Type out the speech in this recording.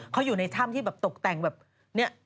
เขาอยู่ในถ้ำที่แบบตกแต่งแบบนี้